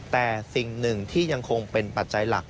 แต่สิ่งหนึ่งที่ยังคงเป็นปัจจัยหลัก